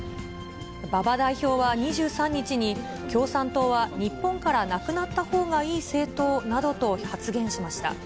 馬場代表は２３日に、共産党は日本からなくなったほうがいい政党などと発言しました。